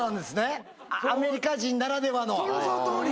そのとおり！